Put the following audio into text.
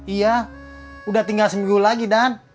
iya udah tinggal seminggu lagi dan